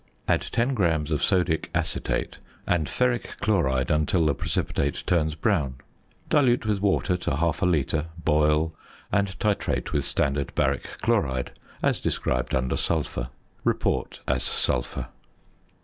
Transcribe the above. Add 10 grams of sodic acetate, and ferric chloride until the precipitate turns brown; dilute with water to half a litre, boil, and titrate with standard baric chloride, as described under Sulphur. Report as sulphur.